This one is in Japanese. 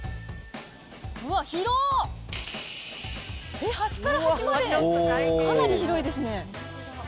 うわっ、広っ。えっ、端から端まで、かなり広いですね。